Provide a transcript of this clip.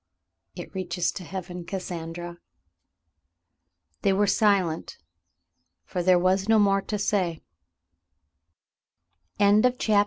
'*It reaches to heaven, Cassandra." Then they were silent, for there was no more to say.